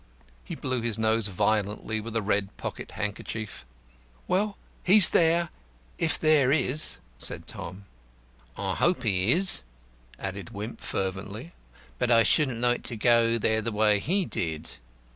He blew his nose violently with a red pocket handkerchief. "Well, he's there, if there is," said Tom. "I hope he is," added Wimp, fervently; "but I shouldn't like to go there the way he did."